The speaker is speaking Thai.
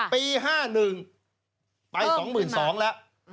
ปี๕๑ไป๒๒๐๐แล้ว